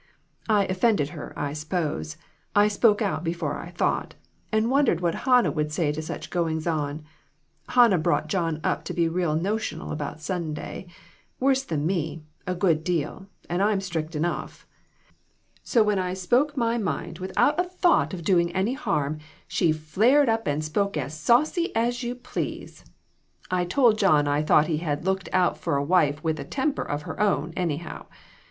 I offended her, I suppose; I spoke out before I thought, and wondered what Hannah would say to such goings on. Hannah brought John up to be real notional about Sunday ; worse than me, a good deal, and I'm strict enough. So when I spoke my mind without a thought of DON T REPEAT IT. 149 doing any harm, she flared up and spoke as saucy as you please. I told John I thought he had looked out for a wife with a temper of her own, anyhow.